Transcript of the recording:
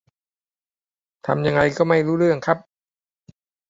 ใช้มาสคอต น้องโตโต้ นานแล้ว